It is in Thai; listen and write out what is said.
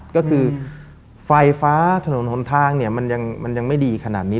ก็คือฟ้าถนนท้องทางมันยังไม่ดีขนาดนี้